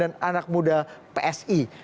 dan anak muda psi